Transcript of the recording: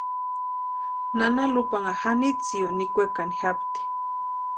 Nana Lupanha Janitziosï nikwekani japti.